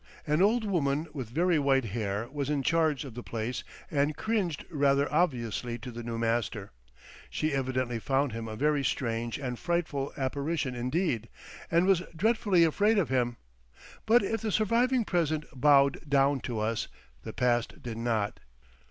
An old woman with very white hair was in charge of the place and cringed rather obviously to the new master. She evidently found him a very strange and frightful apparition indeed, and was dreadfully afraid of him. But if the surviving present bowed down to us, the past did not.